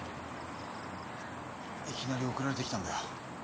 いきなり送られてきたんだよ。